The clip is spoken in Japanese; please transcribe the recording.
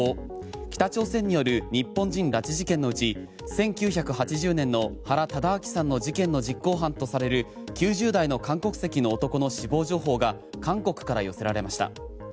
北朝鮮による日本人拉致事件のうち１９８０年の原敕晃さんの事件の実行犯とされる９０代の韓国籍の男の死亡情報が韓国から寄せられました。